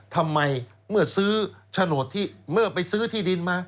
ทำไมเมื่อซื้อโฉนดที่เมื่อไปซื้อที่ดินมา